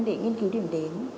để nghiên cứu điểm đến